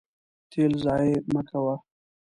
تیل ضایع مه کوه.